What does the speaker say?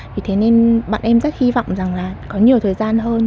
vì thế nên bọn em rất hy vọng rằng là có nhiều thời gian hơn